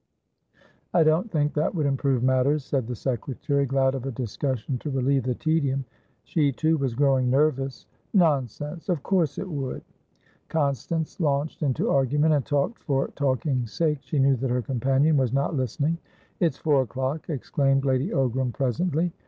"I don't think that would improve matters," said the secretary, glad of a discussion to relieve the tedium. She too was growing nervous. "Nonsense! Of course it would." Constance launched into argument, and talked for talking's sake. She knew that her companion was not listening. "It's four o'clock," exclaimed Lady Ogram presently.